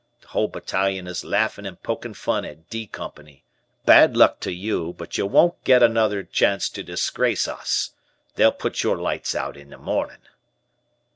The whole Battalion is laughin' and pokin' fun at 'D' Company, bad luck to you I bet you won't get another chance to disgrace us. They'll put your lights out in the mornin'."